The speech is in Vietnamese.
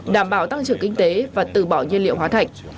đảm bảo tăng trưởng kinh tế và từ bỏ nhiên liệu hóa thạch